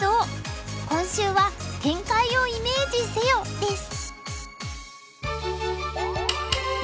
今週は「展開をイメージせよ」です。